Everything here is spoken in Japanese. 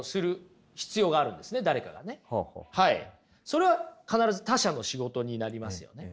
それは必ず他者の仕事になりますよね。